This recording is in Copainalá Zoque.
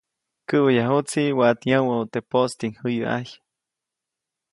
Käʼwejyajuʼtsi waʼat yä̃wäʼu teʼ poʼstinjäyäʼajy.